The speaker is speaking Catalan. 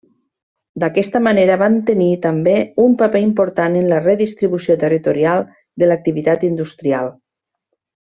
D'aquesta manera van tenir també un paper important en la redistribució territorial de l'activitat industrial.